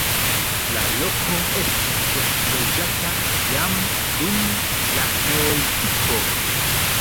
La loko estis loĝata jam dum la neolitiko.